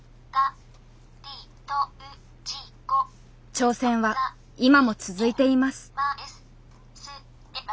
挑戦は今も続いています。